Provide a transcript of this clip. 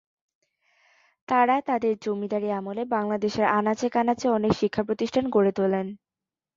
তারা তাদের জমিদারী আমলে বাংলাদেশের আনাচে-কানাচে অনেক শিক্ষা প্রতিষ্ঠান গড়ে তোলেন।